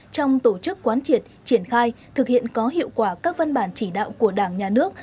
trong tổ chức quán triệt triển khai thực hiện có hiệu quả các văn bản chỉ đạo của đảng nhà nước